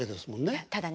ただね